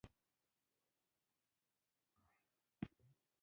هیلۍ له نورو مرغانو سره سیالي نه کوي